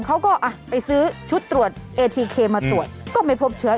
เขาก็อ่ะไปซื้อชุดตรวจเอทีเคมาตรวจก็ไม่พบเชื้อ